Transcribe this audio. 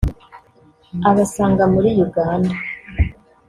abasanga muri Uganda